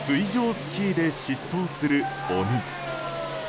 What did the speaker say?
スキーで疾走する鬼。